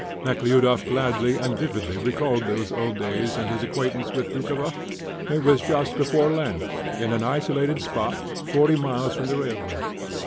Nekhludoff gladly and vividly recalled those old days, and his acquaintance with Doukhova. It was just before Lent, in an isolated spot, 40 miles from the railway.